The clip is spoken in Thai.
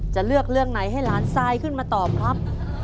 จะเลือกเรื่องไหนให้หลานซายขึ้นมาตอบครับ